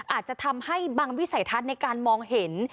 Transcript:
อาจจะทำให้บางวิสัยทัศน์ในการมองเห็น